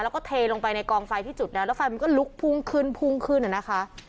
แล้วก็เทลงไปในกองไฟที่จุดแล้วแล้วไฟมันก็ลุกพุ่งขึ้นพุ่งขึ้นน่ะนะคะ